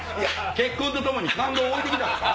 結婚とともに感動置いて来たんか？